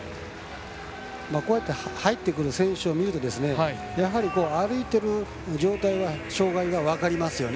こうやって入ってくる選手を見るとやはり、歩いている状態で障がいは分かりますよね。